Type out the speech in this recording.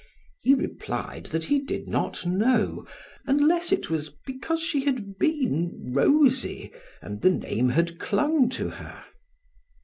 He replied that he did not know, unless it was because she had been rosy and the name had clung to her.